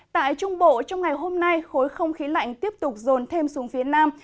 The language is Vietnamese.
tại trung bộ trong ngày hôm nay khối không khí lạnh tiếp tục rồn thêm xuống phía nam